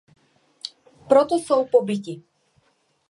Proto jsou pobiti.